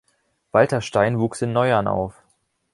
Walter Stain wuchs in Neuern auf.